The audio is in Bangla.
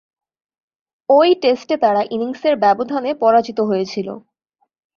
ঐ টেস্টে তারা ইনিংসের ব্যবধানে পরাজিত হয়েছিল।